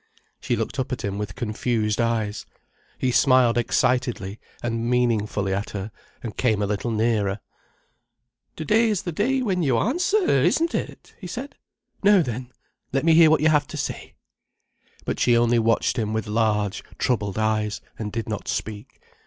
She looked up at him with confused eyes. He smiled excitedly and meaningful at her, and came a little nearer. "Today is the day when you answer, isn't it?" he said. "Now then, let me hear what you have to say." But she only watched him with large, troubled eyes, and did not speak.